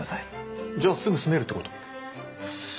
じゃあすぐ住めるってこと？